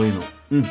うん。